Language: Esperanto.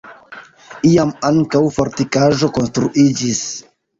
Iam ankaŭ fortikaĵo konstruiĝis.